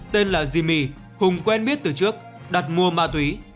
tên là zimi hùng quen biết từ trước đặt mua ma túy